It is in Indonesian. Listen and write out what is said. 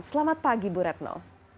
selamat pagi bu retno